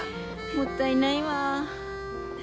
もったいないわ。